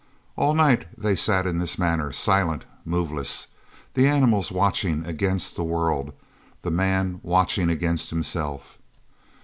All night they sat in this manner, silent, moveless; the animals watching against the world, the man watching against himself.